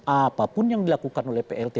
apapun yang dilakukan oleh plt